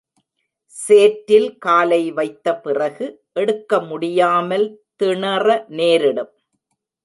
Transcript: சேற்றில் காலை வைத்த பிறகு எடுக்க முடியாமல் திணற நேரிடும்.